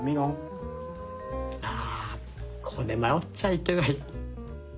あここで迷っちゃいけない。